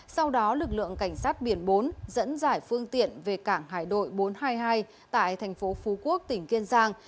sau đó lực lượng cảnh sát biển bốn dẫn giải phương tiện về cảng hải đội bốn trăm hai mươi hai tại thành phố phú quốc tỉnh kiên giang